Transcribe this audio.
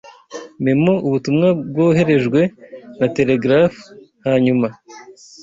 memo ubutumwa bwoherejwe na telegraph hanyuma